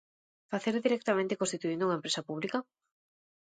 ¿Facelo directamente constituíndo unha empresa pública?